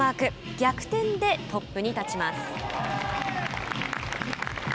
逆転でトップに立ちます。